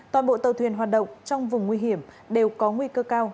toàn bộ tàu thuyền hoạt động trong vùng nguy hiểm đều có nguy cơ cao